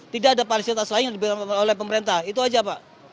tidak ada fasilitas lain yang diberikan oleh pemerintah itu aja pak